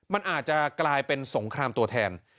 มันอาจจะกลายเป็นสงครามตัวแทน